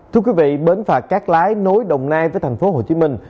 thưa quý vị bến phà cát lái nối đồng nai với thành phố hồ chí minh